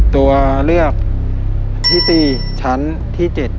ตัวเลือกที่๔ชั้นที่๗